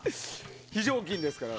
非常勤ですから。